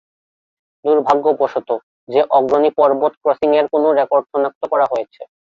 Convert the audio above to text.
দুর্ভাগ্যবশত, যে অগ্রণী পর্বত ক্রসিং এর কোনো রেকর্ড সনাক্ত করা হয়েছে।